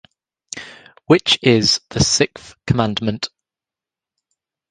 Which is the sixth commandment?